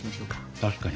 確かに。